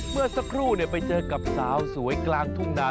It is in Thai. เมื่อสักครู่ไปเจอกับสาวสวยกลางทุ่งนา